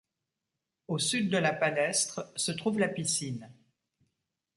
Au sud de la palestre se trouve la piscine.